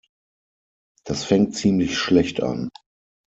Das fängt ziemlich schlecht an.